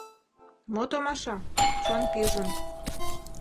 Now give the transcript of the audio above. Мо томаша, чон пижын.